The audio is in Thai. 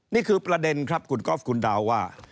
นี่คือประเด็นครับคุณก๊อฟคุณดาวว่า